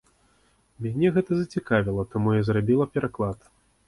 Мяне гэта зацікавіла, таму я зрабіла пераклад.